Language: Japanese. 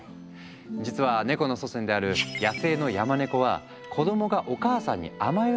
実はネコの祖先である野生のヤマネコは子供がお母さんに甘える